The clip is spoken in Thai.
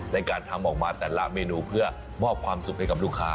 ในการทำออกมาแต่ละเมนูเพื่อมอบความสุขให้กับลูกค้า